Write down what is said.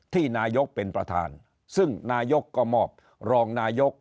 ที่นายกเป็นประธานซึ่งนายกก็มอบรองนายก